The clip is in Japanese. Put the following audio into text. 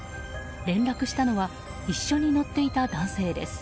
連絡したのは一緒に乗っていた男性です。